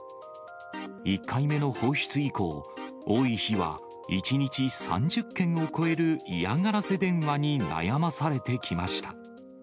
１回目の放出以降、多い日は１日３０件を超える嫌がらせ電話に悩まされてきました。